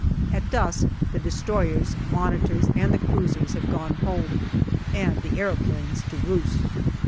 At dusk the destroyers, Monitors and the cruisers have gone home, and the aeroplanes to roost.